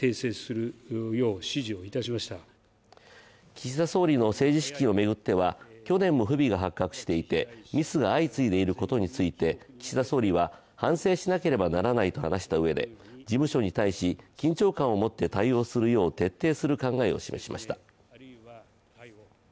岸田総理の政治資金を巡っては去年も不備が発覚していてミスが相次いでいることについて岸田総理は反省しなければならないと話したうえで事務所に対し、緊張感を持って対応するよう徹底する考えを示しました。